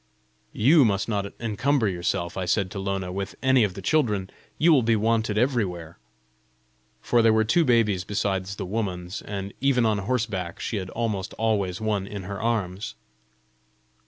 "YOU must not encumber yourself," I said to Lona, "with any of the children; you will be wanted everywhere!" For there were two babies besides the woman's, and even on horseback she had almost always one in her arms.